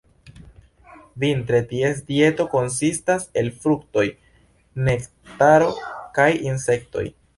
Vintre ties dieto konsistas el fruktoj, nektaro kaj insektoj.